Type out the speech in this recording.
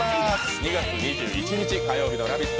２月２１日、火曜日の「ラヴィット！」